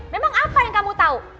memang apa yang kamu tahu